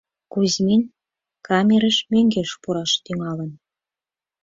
Кузьмин камерыш мӧҥгеш пураш тӱҥалын.